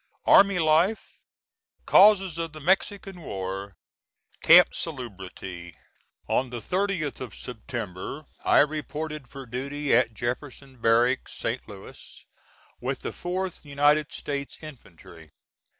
ARMY LIFE CAUSES OF THE MEXICAN WAR CAMP SALUBRITY. On the 30th of September I reported for duty at Jefferson Barracks, St. Louis, with the 4th United States infantry.